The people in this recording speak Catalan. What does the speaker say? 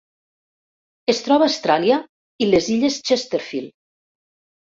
Es troba a Austràlia i les Illes Chesterfield.